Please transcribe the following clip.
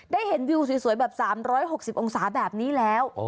ได้เห็นวิวสวยแบบ๓๖๐องศาแบบนี้แล้ว